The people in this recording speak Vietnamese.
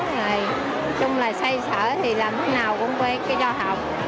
nói chung là xây sở thì làm cái nào cũng phải cho học